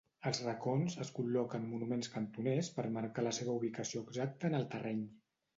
Als racons, es col·loquen "monuments cantoners" per marcar la seva ubicació exacta en el terreny.